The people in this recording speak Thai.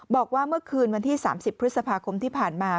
บอกว่าเมื่อคืนวันที่๓๐พฤษภาคมที่ผ่านมา